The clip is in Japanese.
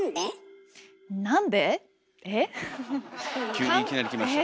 急にいきなりきましたよ。